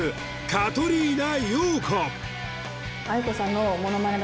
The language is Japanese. カトリーナ陽子